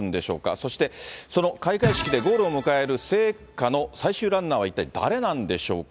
そして、その開会式でゴールを迎える聖火の最終ランナーは一体誰なんでしょうか。